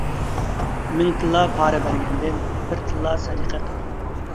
مىڭ تىللا پارا بەرگەندىن، بىر تىللا سەدىقە قىل.